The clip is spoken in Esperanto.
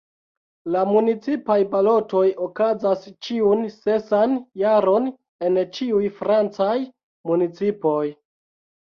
La municipaj balotoj okazas ĉiun sesan jaron en ĉiuj francaj municipoj.